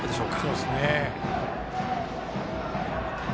そうですね。